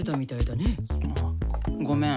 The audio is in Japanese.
あごめん。